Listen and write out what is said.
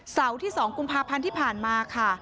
ที่๒กุมภาพันธ์ที่ผ่านมาค่ะ